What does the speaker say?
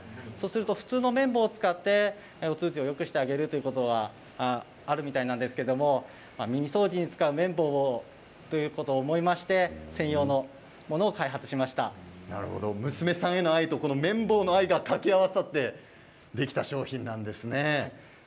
普通の綿棒を使ってお通じをよくしてあげるということはあるみたいなんですけれど耳掃除に使う綿棒は、と思いまして娘さんへの愛と綿棒への愛がかけ合わさってできた綿棒なんですね。